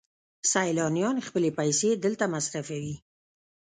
سیلانیان خپلې پیسې دلته مصرفوي.